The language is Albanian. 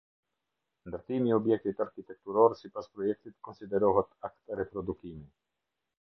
Ndërtimi i objektit arkitekturor sipas projektit konsiderohet akt reprodukimi.